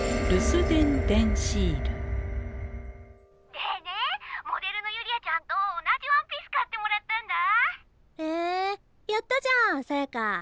でねモデルのユリアちゃんと同じワンピース買ってもらったんえやったじゃんさやか！